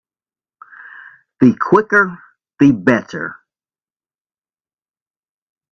The quicker the better.